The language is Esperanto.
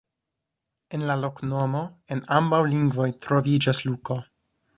En la loknomo en ambaŭ lingvoj troviĝas Luko.